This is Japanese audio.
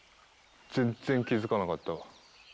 全然気付かなかったわ。